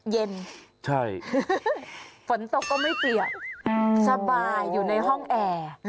เย็นใช่ฝนตกก็ไม่เปียกสบายอยู่ในห้องแอร์